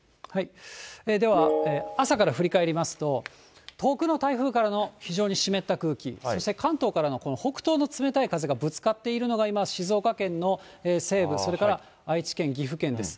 では、朝から振り返りますと、遠くの台風からの非常に湿った空気、そして関東からのこの北東の冷たい風がぶつかっているのが今、静岡県の西部、それから愛知県、岐阜県です。